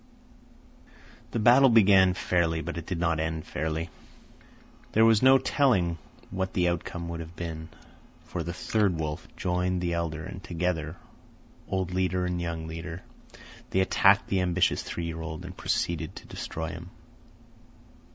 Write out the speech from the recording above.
The battle began fairly, but it did not end fairly. There was no telling what the outcome would have been, for the third wolf joined the elder, and together, old leader and young leader, they attacked the ambitious three year old and proceeded to destroy him.